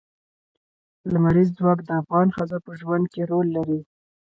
لمریز ځواک د افغان ښځو په ژوند کې رول لري.